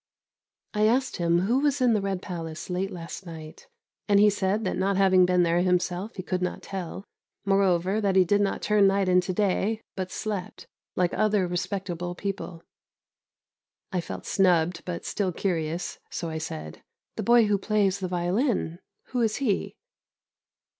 I asked him who was in the Red Palace late last night, and he said that not having been there himself he could not tell; moreover, that he did not turn night into day, but slept, like other respectable people. I felt snubbed but still curious, so I said "The boy who plays the violin, who is he?"